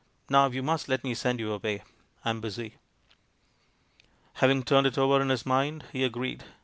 "Now you must let me send you away; I'm busy." Having turned it over in his mind, he agreed.